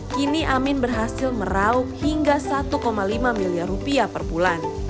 kini amin berhasil merauk hingga satu lima miliar rupiah per bulan